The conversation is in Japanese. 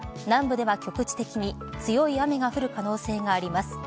南部では局地的に強い雨が降る可能性があります。